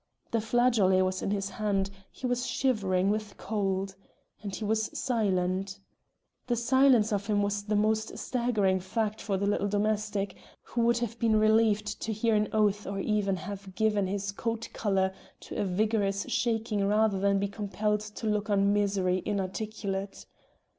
The flageolet was in his hand; he was shivering with cold. And he was silent. The silence of him was the most staggering fact for the little domestic, who would have been relieved to hear an oath or even have given his coat collar to a vigorous shaking rather than be compelled to look on misery inarticulate.